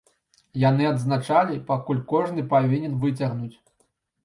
Яны адзначалі, пакуль кожны павінен выцягнуць.